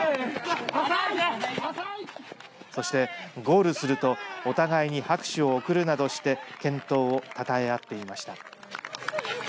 そして、ゴールするとお互いに拍手を送るなどして健闘をたたえ合っていました。